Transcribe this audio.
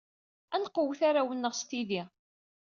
Ad nqewwet arraw-nneɣ s tidi.